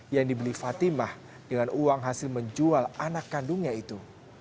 yang dibeli fatimah dengan uang hasil menjual anak kandungnya itu